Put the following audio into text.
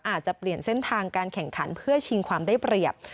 อาจจะเปลี่ยนเส้นทางการแข่งขันเพื่อชิงความได้เปรียบ